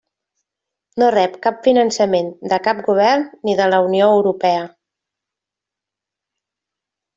No rep cap finançament de cap govern ni de la Unió Europea.